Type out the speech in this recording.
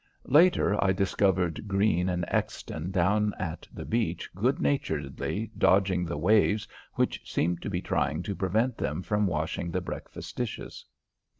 Later, I discovered Greene and Exton down at the beach good naturedly dodging the waves which seemed to be trying to prevent them from washing the breakfast dishes.